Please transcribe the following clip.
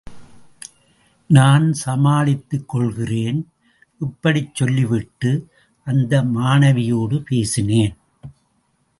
நான் சமாளித்துக் கொள்கிறேன், இப்படிச் சொல்லிவிட்டு அந்த மாணவியோடு பேசினேன்.